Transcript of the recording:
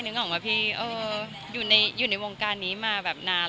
นึกออกไหมพี่อยู่ในวงการนี้มาแบบนาน